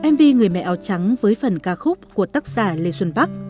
mv người mẹ áo trắng với phần ca khúc của tác giả lê xuân bắc